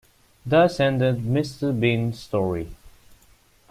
Thus ended Mrs. Dean’s story.